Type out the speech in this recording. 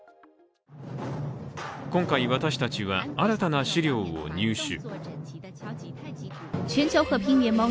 今回、私たちは新たな資料を入手。